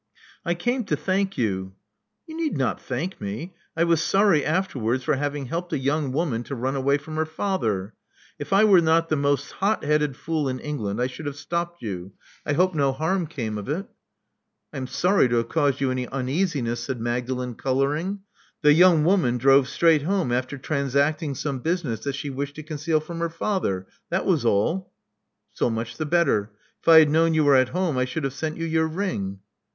•*I came to thank you " ^You need not thank me. I was sorry afterwards for having helped a young woman to run away from her father. If I were not the most hotheaded fool in England, I should have stopped you. I hope no harm came of it." I am sorry to have caused you any uneasiness," said Magdalen, coloring. *'The young woman drove straight home after transacting some business that she wished to conceal from her father. That was all." So much the better. If I had known you were at home, I should have sent you your ring."